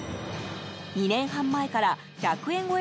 ２年半前から１００円超え